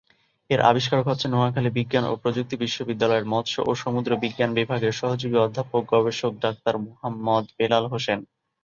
এর আবিষ্কারক হচ্ছেন নোয়াখালী বিজ্ঞান ও প্রযুক্তি বিশ্ববিদ্যালয়ের মৎস্য ও সমুদ্র বিজ্ঞান বিভাগের সহযোগী অধ্যাপক গবেষক ডাক্তার মোহাম্মদ বেলাল হোসেন।